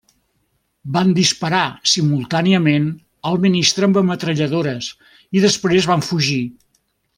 Van disparar simultàniament al ministre amb metralladores i després van fugir.